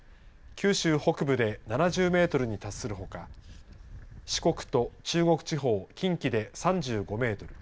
九州北部で７０メートルに達するほか四国と中国地方近畿で３５メートル